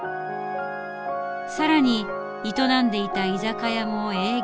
更に営んでいた居酒屋も営業自粛。